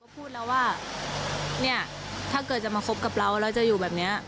พูดแล้วว่าเนี่ยถ้าเกิดจะมาคบกับเราแล้วจะอยู่แบบนี้